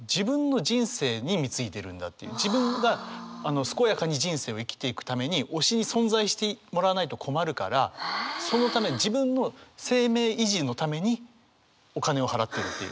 自分が健やかに人生を生きていくために推しに存在してもらわないと困るからそのため自分の生命維持のためにお金を払っているっていう。